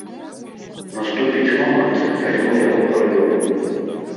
Наступіць момант, калі мы яго парвём.